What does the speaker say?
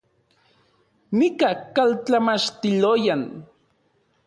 Nika kaltlamachtiloyan